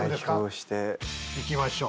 いきましょう。